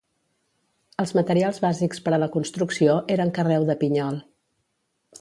Els materials bàsics per a la construcció eren carreu de pinyol.